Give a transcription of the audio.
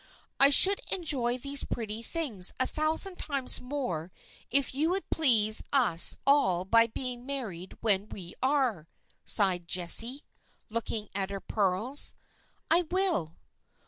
"I should enjoy these pretty things a thousand times more if you would please us all by being married when we are," sighed Jessie, looking at her pearls. "I will."